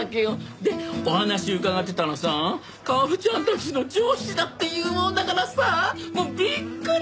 でお話伺ってたらさ薫ちゃんたちの上司だっていうもんだからさもうびっくり！